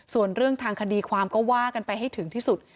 ส่วนเรื่องทางคดีความก็ว่ากันไปให้ถึงที่สุด